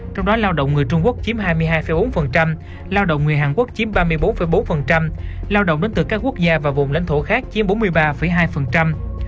trong đó lao động người trung quốc chiếm hai mươi hai bốn lao động người hàn quốc chiếm ba mươi bốn bốn lao động đến từ các quốc gia và vùng lãnh thổ khác chiếm bốn mươi ba hai